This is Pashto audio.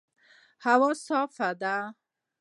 هوا صافه ده